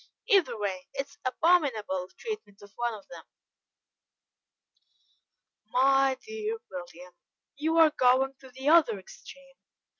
Either way, it is abominable treatment of one of them." "My dear William, you are going to the other extreme.